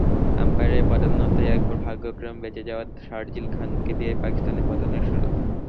আম্পায়ারের বদান্যতায় একবার ভাগ্যক্রমে বেঁচে যাওয়া শার্জিল খানকে দিয়েই পাকিস্তানের পতনের শুরু।